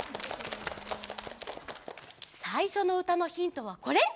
さいしょのうたのヒントはこれ！